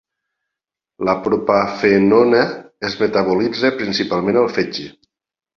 La propafenona es metabolitza principalment al fetge.